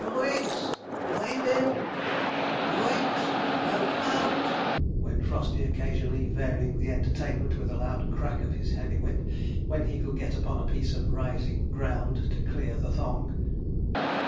'Yo i cks, wind him! Y o o icks! rout him out!' went Frosty; occasionally varying the entertainment with a loud crack of his heavy whip, when he could get upon a piece of rising ground to clear the thong.